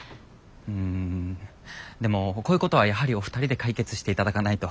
んでもこういうことはやはりお二人で解決して頂かないと。